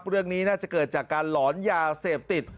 เรื่องนี้น่าจะเกิดจากการหลอนยาเสพติด